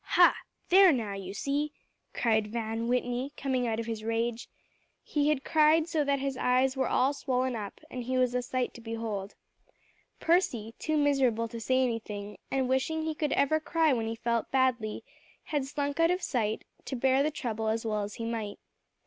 "Huh! there, now you see," cried Van Whitney, coming out of his rage. He had cried so that his eyes were all swollen up, and he was a sight to behold. Percy, too miserable to say anything, and wishing he could ever cry when he felt badly, had slunk out of sight, to bear the trouble as well as he might.